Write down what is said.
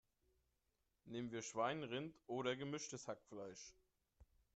Nehmen wir Schwein, Rind oder gemischtes Hackfleisch?